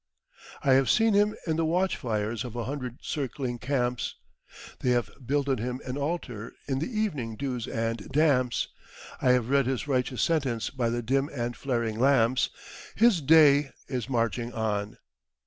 "I have seen Him in the watch fires of a hundred circling camps; They have builded Him an altar in the evening dews and damps; I have read His righteous sentence by the dim and flaring lamps: His day is marching on.